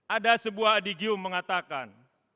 ada sebuah adigium mengatakan